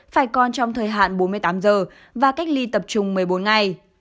phải còn trong thời hạn bốn mươi tám giờ và cách ly tập trung một mươi bốn ngày